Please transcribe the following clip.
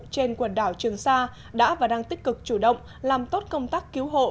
trên quần đảo trường sa đã và đang tích cực chủ động làm tốt công tác cứu hộ